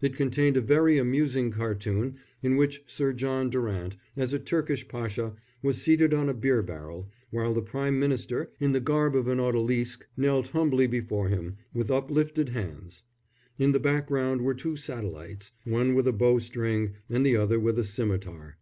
It contained a very amusing cartoon in which Sir John Durant, as a Turkish pasha, was seated on a beer barrel, while the Prime Minister, in the garb of an odalisque, knelt humbly before him with uplifted hands. In the background were two satellites, one with a bow string and the other with a scimitar.